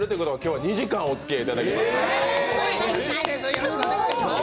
よろしくお願いします！